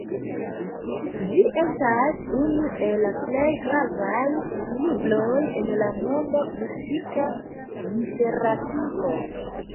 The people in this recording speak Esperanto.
Ĝi estas unu el plej gravaj libroj en la monda mistika literaturo.